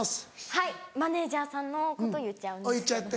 はいマネジャーさんのこと言っちゃうんですけど。